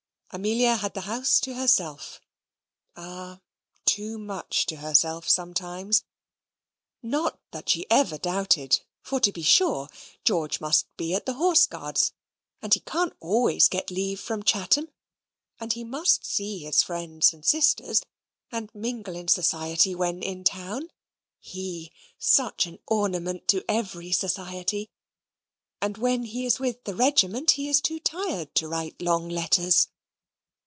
Amelia had the house to herself ah! too much to herself sometimes not that she ever doubted; for, to be sure, George must be at the Horse Guards; and he can't always get leave from Chatham; and he must see his friends and sisters, and mingle in society when in town (he, such an ornament to every society!); and when he is with the regiment, he is too tired to write long letters.